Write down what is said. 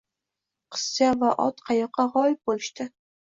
Qizcha va ot qayoqqa g`oyib bo`lishdi